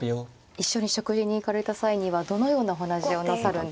一緒に食事に行かれた際にはどのようなお話をなさるんですか。